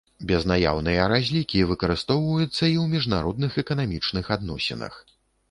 Безнаяўныя разлікі выкарыстоўваюцца і ў міжнародных эканамічных адносінах.